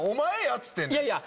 っつってんねん。